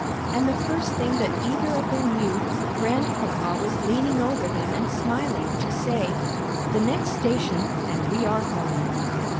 And the first thing that either of them knew, Grandpapa was leaning over them and smiling, to say, "The next station, and we are home!"